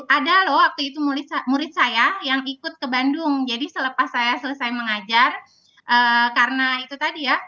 ada loh waktu itu murid saya yang ikut ke bandung jadi selepas saya selesai mengajar karena itu tadi ya